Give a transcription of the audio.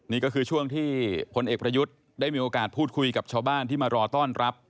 นี่ก็คือช่วงที่พลเอกประยุทธ์ได้มีโอกาสพูดคุยกับชาวบ้านที่มารอต้อนรับ